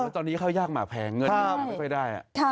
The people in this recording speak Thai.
ตอนนี้เข้ายากมาแผงเงินไม่ได้